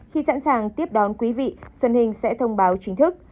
khi sẵn sàng tiếp đón quý vị xuân hình sẽ thông báo chính thức